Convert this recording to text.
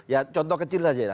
ya contoh kecil saja